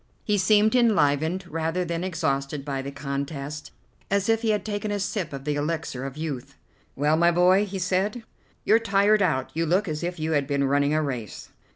He seemed enlivened rather than exhausted by the contest, as if he had taken a sip of the elixir of youth. "Well, my boy," he said, "you're tired out. You look as if you had been running a race."